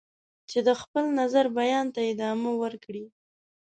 چې د خپل نظر بیان ته ادامه ورکړي.